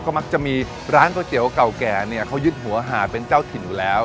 มักจะมีร้านก๋วยเตี๋ยวเก่าแก่เนี่ยเขายึดหัวหาดเป็นเจ้าถิ่นอยู่แล้ว